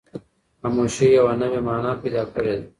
خاموشي یوه نوې مانا پیدا کړې ده.